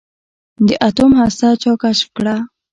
د اتوم هسته چا کشف کړه.